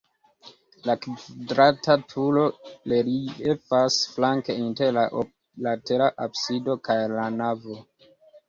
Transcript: La kvadrata turo reliefas flanke inter la oklatera absido kaj la navo.